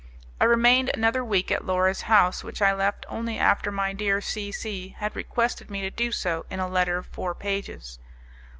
I remained another week at Laura's house, which I left only after my dear C C had requested me to do so in a letter of four pages.